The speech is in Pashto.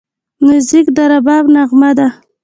موزیک د رباب نغمه ده.